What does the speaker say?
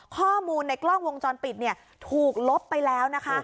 ข้อมูลในกล้องวงจรปิดถูกลบไปแล้วนะคะ